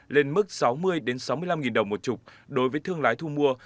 lên mức sáu mươi sáu mươi năm đồng một chục đối với thương lái thu mua